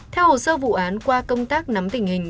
theo hồ sơ vụ án qua công tác nắm tình hình